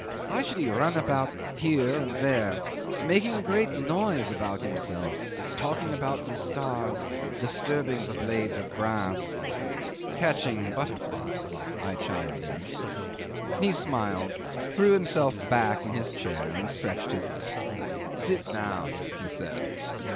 Why should he run about here and there making a great noise about himself, talking about the stars, disturbing the blades of grass? ..." '"Catching butterflies," I chimed in. 'He smiled, threw himself back in his chair, and stretched his legs. "Sit down," he said.